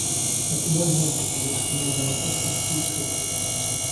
Her commanding officer was Commander Augustus P. Cooke.